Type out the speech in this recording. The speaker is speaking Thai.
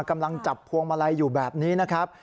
กำลังจับพวงมาลัยอยู่แบบนี้นะครับ